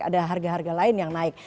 ada harga harga lain yang naik